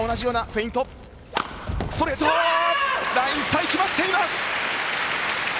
ラインいっぱい決まっています。